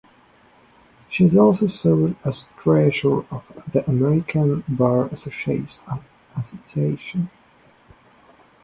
She also served as Treasurer of the American Bar Association.